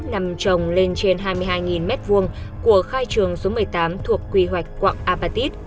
nằm trồng lên trên hai mươi hai m hai của khai trường số một mươi tám thuộc quy hoạch quạng apatit